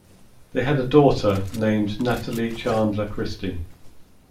They had a daughter named Natalie Chandler Christy.